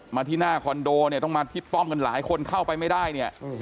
มาที่หน้าคอนโดต้องมาพิษฟ้อมกันหลายคนเข้าไปไม่ได้